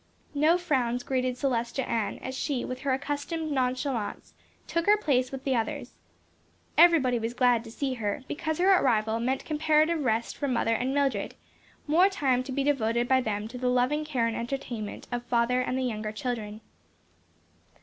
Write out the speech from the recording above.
No frowns greeted Celestia Ann as she, with her accustomed nonchalance, took her place with the others. Everybody was glad to see her, because her arrival meant comparative rest for mother and Mildred, and more time to be devoted by them to the loving care and entertainment of father and the younger children.